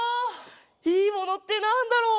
「いいもの」ってなんだろう？